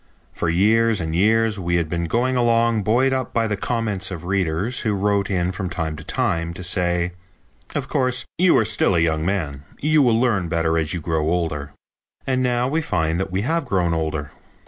For years and years we had been going along buoyed up by the comments of readers who wrote in from time to time to say: "Of course, you are still a young man. You will learn better as you grow older." And now we find that we have grown older.